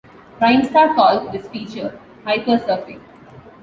Primestar called this feature "Hyper-Surfing".